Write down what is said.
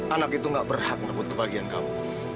anak itu nggak berhak merebut kebahagiaan kamu